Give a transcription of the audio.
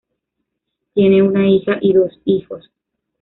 Tiene una hija y dos hijos